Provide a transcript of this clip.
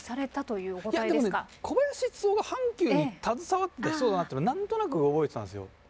いやでもね小林一三が阪急に携わってた人だなっていうのは何となく覚えてたんですよ。